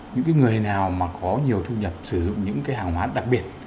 những cái người nào mà có nhiều thu nhập sử dụng những cái hàng hóa đặc biệt